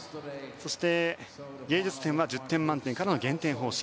そして芸術点は１０点満点からの減点方式。